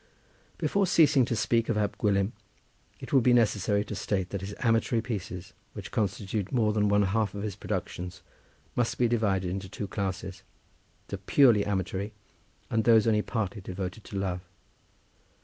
Before ceasing to speak of Ab Gwilym, it will be necessary to state that his amatory pieces, which constitute more than one half of his productions, must be divided into two classes, the purely amatory and those only partly devoted to love.